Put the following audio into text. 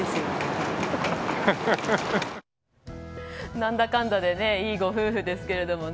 なんだかんだでいいご夫婦ですけど。